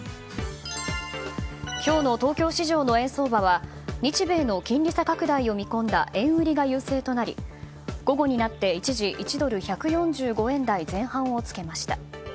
今日の東京市場の円相場は日米の金利差拡大を見込んだ円売りが優勢となり午後になって一時、１ドル＝１４５円台前半をつけました。